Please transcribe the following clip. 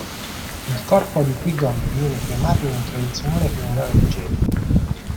Il corpo di Qui-Gon viene cremato in un tradizionale funerale Jedi.